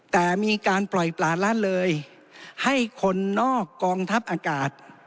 แต่มีการปล่อยปลาละเลยให้คนนอกกองทัพอากาศ